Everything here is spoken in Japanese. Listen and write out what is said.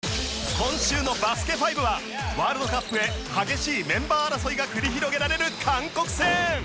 今週の『バスケ☆ＦＩＶＥ』はワールドカップへ激しいメンバー争いが繰り広げられる韓国戦。